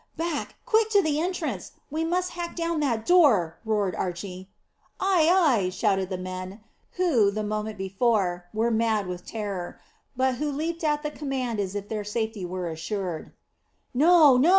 "Back quick to the entrance! We must hack down that door," roared Archy. "Ay, ay," shouted the men, who the moment before were mad with terror, but who leaped at the command as if their safety were assured. "No, no!"